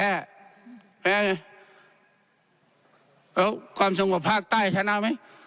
แล้วความสงบภาคใต้ชนะไหม